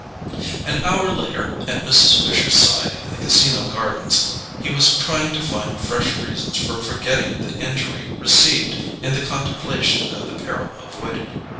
An hour later, at Mrs. Fisher's side in the Casino gardens, he was trying to find fresh reasons for forgetting the injury received in the contemplation of the peril avoided.